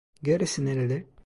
Gerisi nerede?